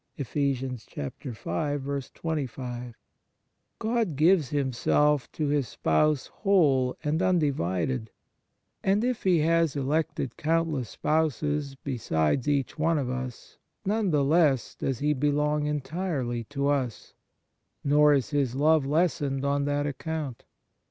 2 " God gives Himself to His Spouse whole and undivided; and if He has elected countless spouses besides each one of us, none the less does He belong entirely to us; nor is His love lessened on that account.